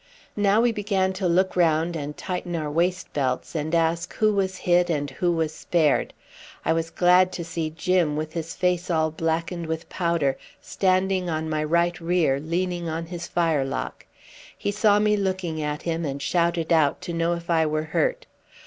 Now we began to look round and tighten our waist belts, and ask who was hit and who was spared. I was glad to see Jim, with his face all blackened with powder, standing on my right rear, leaning on his firelock. He saw me looking at him, and shouted out to know if I were hurt.